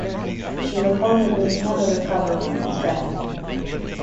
She reportedly never recovered from his death.